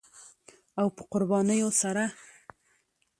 او په قربانیو سره